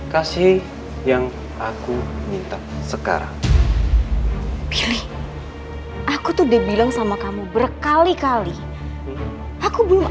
kasih yang aku minta sekarang aku tuh dibilang sama kamu berkali kali aku belum